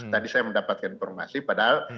tadi saya mendapatkan informasi padahal